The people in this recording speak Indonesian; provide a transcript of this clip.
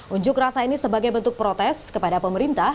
unjuk rasa ini sebagai bentuk protes kepada pemerintah